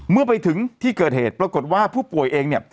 เมื่อไปถึงที่เกิดเหตุปรากฏว่าผู้ป่วยเองเนี่ย